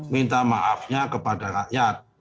minta maafnya kepada rakyat